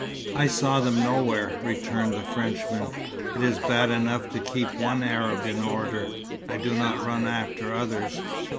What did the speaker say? "I saw them nowhere," returned the Frenchman. "It is bad enough to keep one Arab in order. I do not run after others.